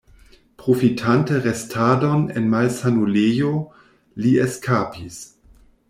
Profitante restadon en malsanulejo, li eskapis.